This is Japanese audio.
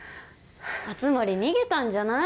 熱護逃げたんじゃない？